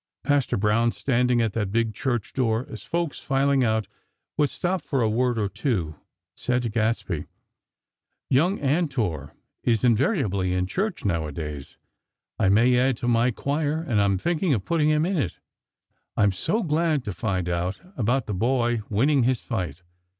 Pastor Brown, standing at that big church door as folks, filing out would stop for a word or two, said to Gadsby: "Young Antor is invariably in church, now a days. I may add to my choir, and am thinking of putting him in it. I'm so glad to find out about that boy winning his fight.